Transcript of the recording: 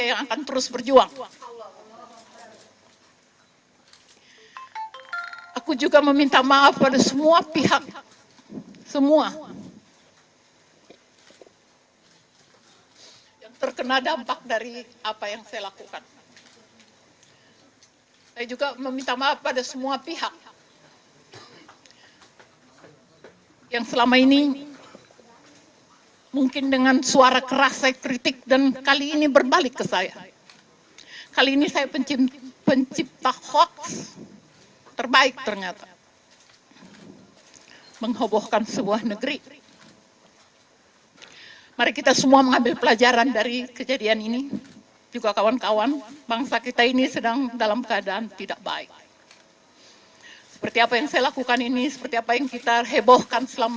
yang juga dengan sabar mendengar kebohongan saya kemarin dan ikut vers